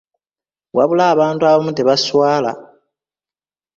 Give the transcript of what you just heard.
Wabula abantu abamu tebaswala!